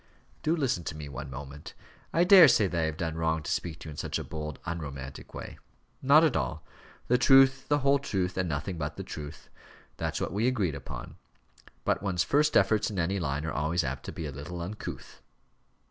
"Do listen to me one moment. I daresay that I have done wrong to speak to you in such a bold, unromantic way." "Not at all. The truth, the whole truth, and nothing but the truth. That's what we agreed upon. But one's first efforts in any line are always apt to be a little uncouth."